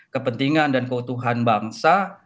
kepentingan dan keutuhan bangsa